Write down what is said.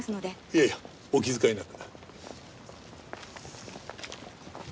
いやいやお気遣いなく。